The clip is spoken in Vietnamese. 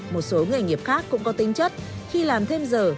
một số nghề nghiệp khác cũng có tính chất khi làm thêm giờ